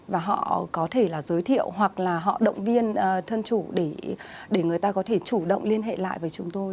và họ có thể là giới thiệu hoặc là họ động viên thân chủ để người ta có thể chủ động liên hệ lại với chúng tôi